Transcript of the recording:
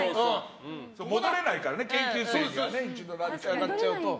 戻れないからね研究生から上がっちゃうとね。